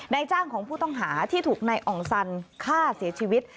จ้างของผู้ต้องหาที่ถูกนายอ่องสันฆ่าเสียชีวิต